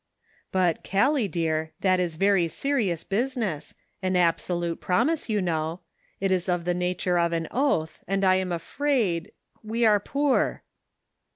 " But Gallic, dear, that is very serious busi ness — an absolute promise you know ; it is of the nature of an oath, and I am afraid — we are poor."